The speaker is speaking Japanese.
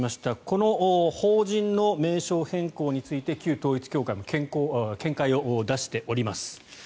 この法人の名称変更について旧統一教会も見解を出しております。